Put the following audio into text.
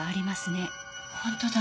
本当だ。